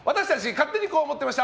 勝手にこう思ってました！